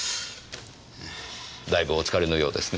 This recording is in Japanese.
大分お疲れのようですね。